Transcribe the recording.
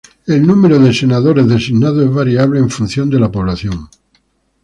El número de senadores designados es variable en función de la población.